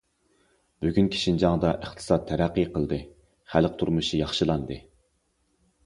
بۈگۈنكى شىنجاڭدا ئىقتىساد تەرەققىي قىلدى، خەلق تۇرمۇشى ياخشىلاندى.